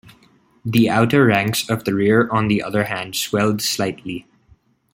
The outer ranks of the rear on the other hand swelled slightly.